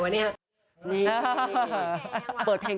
แปลวแปลวแปลว